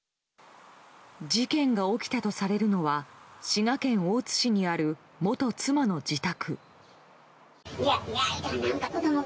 事件が起きたとされるのは滋賀県大津市にある元妻の自宅。